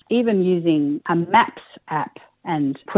meskipun menggunakan aplikasi maps